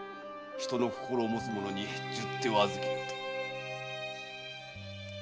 人の心を持つ者に十手を預けよと。